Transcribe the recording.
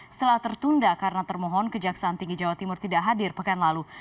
setelah tertunda karena termohon kejaksaan tinggi jawa timur tidak hadir pekan lalu